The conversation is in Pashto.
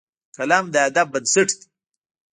قلم د ادب بنسټ دی